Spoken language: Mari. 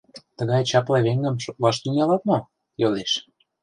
— Тыгай чапле веҥым шотлаш тӱҥалат мо? — йодеш.